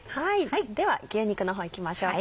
では牛肉の方いきましょうか。